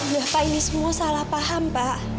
bapak ini semua salah paham pak